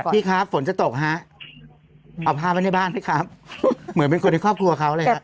พี่ครับฝนจะตกฮะเอาผ้าไว้ในบ้านด้วยครับเหมือนเป็นคนในครอบครัวเขาเลยฮะ